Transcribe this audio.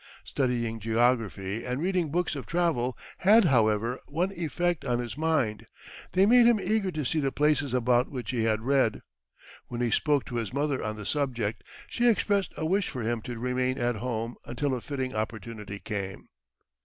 Studying geography and reading books of travel had, however, one effect on his mind they made him eager to see the places about which he had read. When he spoke to his mother on the subject, she expressed a wish for him to remain at home until a fitting opportunity came.